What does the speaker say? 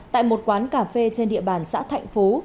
tại một quán cà phê trên địa bàn xã thạnh phú